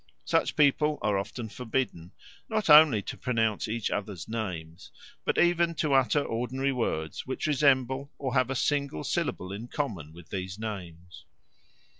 Such people are often forbidden, not only to pronounce each other's names, but even to utter ordinary words which resemble or have a single syllable in common with these names.